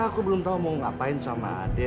aku belum tahu mau ngapain sama ade